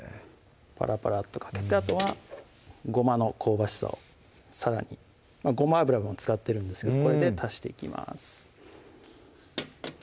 パラパラッとかけてあとはごまの香ばしさをさらにごま油も使ってるんですけどこれで足していきます